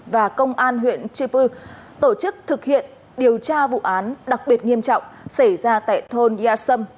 và công an huyện chư pư tổ chức thực hiện điều tra vụ án đặc biệt nghiêm trọng xảy ra tại thôn yà sâm